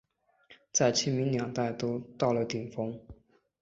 在清民两代都到了顶峰。